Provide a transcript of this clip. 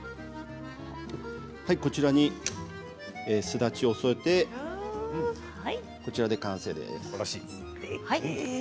こちらに、すだちを添えて完成です。